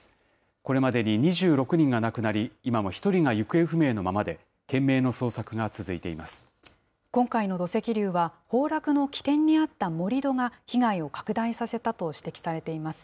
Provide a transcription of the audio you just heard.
これまでに２６人が亡くなり、今も１人が行方不明のままで、懸命今回の土石流は、崩落の危険にあった盛り土が被害を拡大させたと指摘されています。